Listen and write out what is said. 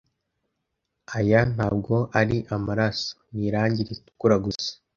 Aya ntabwo ari amaraso. Ni irangi ritukura gusa.